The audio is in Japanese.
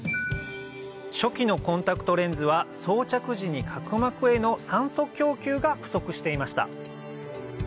初期のコンタクトレンズは装着時に角膜への酸素供給が不足していました